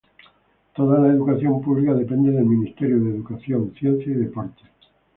Toda la educación pública depende del Ministerio de Educación, Ciencia y Deportes.